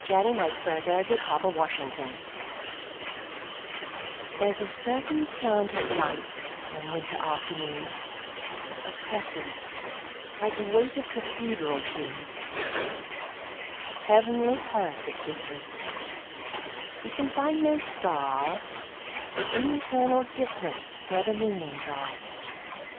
1924. Part Two: Nature LXXXII THERE'S a certain slant of light, On winter afternoons, That oppresses, like the weightOf cathedral tunes. Heavenly hurt it gives us; We can find no scar, But internal differenceWhere the meanings are.